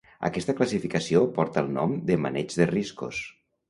Aquesta classificació porta el nom de maneig de riscos.